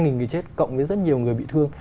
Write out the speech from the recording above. nghìn người chết cộng với rất nhiều người bị thương